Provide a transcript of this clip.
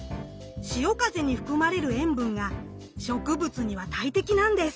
潮風に含まれる塩分が植物には大敵なんです！